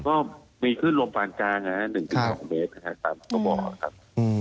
เวลามีคลื่นลมฟานกลางฮะ๑บอ